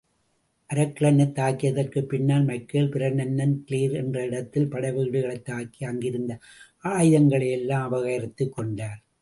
அரக்லனைத் தாக்கியதற்குப் பின்னால் Michael, Brennan Clare என்ற இடத்தில் படைவீடுகளைத் தாக்கி, அங்கிருந்த ஆயுதங்களையெல்லாம் அபகரித்துக் கொண்டார்.